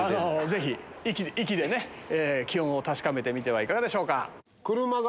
ぜひ息で気温を確かめてみてはいかがでしょうか。